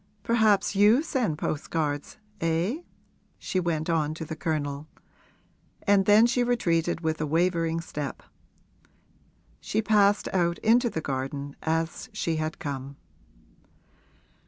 'Perhaps you send postcards, eh?' she went on to the Colonel; and then she retreated with a wavering step. She passed out into the garden as she had come.